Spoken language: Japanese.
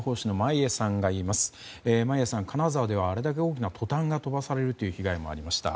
眞家さん、金沢ではあれだけ大きなトタンが飛ばされるという被害がありました。